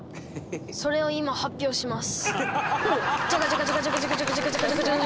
それを今発表します。